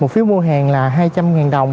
một phiếu mua hàng là hai trăm linh đồng